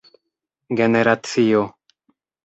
generacio